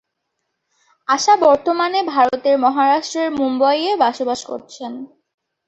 আশা বর্তমানে ভারতের মহারাষ্ট্রের মুম্বইয়ে বসবাস করছেন।